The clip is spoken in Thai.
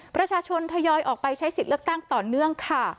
ประชาชนทยอยออกไปใช้สิทธิ์เลือกตั้งต่อเนื่องค่ะ